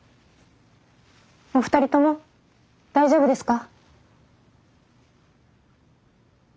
お二人とも大丈夫ですか？